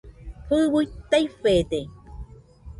Fɨui taifede